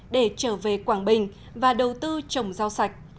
để trở về quảng bình và đầu tư trồng rau sạch